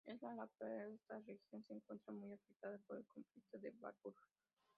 En la actualidad esta región se encuentra muy afectada por el Conflicto de Darfur.